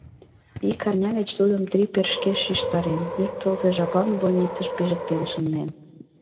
Ик арня гыч тудым трипер шке шижтарен, ик тылзе жаплан больницыш пижыктен шынден...